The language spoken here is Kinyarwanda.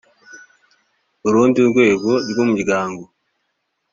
urundi rwego rw umuryango